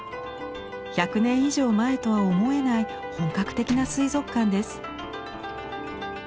１００年以上前とは思えない本格的な水族館です。